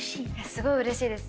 すごい嬉しいです。